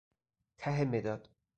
ته مداد